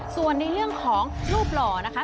ส่วนในเรื่องของรูปหล่อนะคะ